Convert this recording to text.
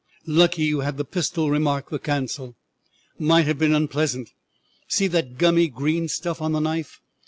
"Lucky you had the pistol," remarked the consul; "might have been unpleasant. See that gummy green stuff on the knife?